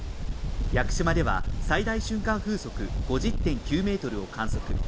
屋久島では最大瞬間風速５０．９メートルを観測。